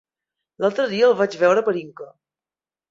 L'altre dia el vaig veure per Inca.